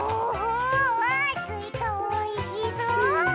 わあすいかおいしそう！